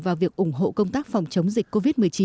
vào việc ủng hộ công tác phòng chống dịch covid một mươi chín